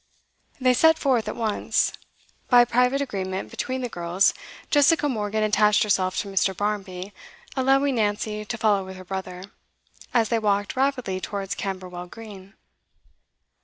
They set forth at once. By private agreement between the girls, Jessica Morgan attached herself to Mr. Barmby, allowing Nancy to follow with her brother, as they walked rapidly towards Camberwell Green.